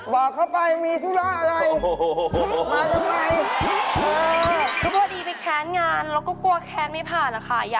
น้องเจนนี่คือจะไปแคสรถแบบนี้เหรอครับ